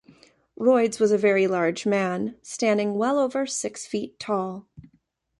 Royds was a very large man, standing well over six feet tall.